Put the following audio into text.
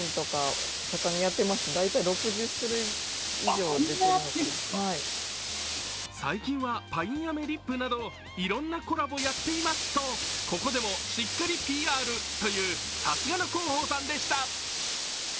実際、ツイートした広報の方は最近は、パインアメリップなどいろんなコラボやってますというここでもしっかりＰＲというさすがの広報さんでした。